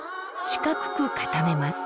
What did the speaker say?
四角く固めます。